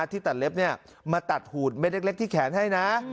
ที่ตัดเล็บมาตัดหูดเม็ดเล็กที่แขนให้นะ